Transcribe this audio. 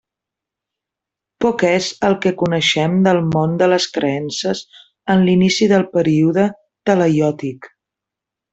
Poc és el que coneixem del món de les creences en l’inici del període talaiòtic.